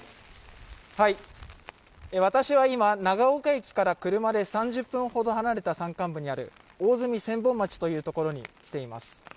私は今、長岡駅から車で３０分ほど離れた山間部にある大積千本町というところに来ています。